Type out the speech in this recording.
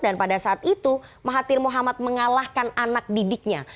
dan pada saat itu mahathir mohamad mengalahkan anak didiknya